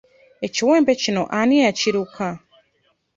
Ekiwempe kino ani eyakiruka?